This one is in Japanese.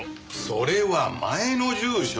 それは前の住所！